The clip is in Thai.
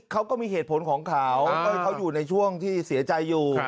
เขาก็มีเหตุผลของเขาเขาอยู่ในช่วงที่เสียใจอยู่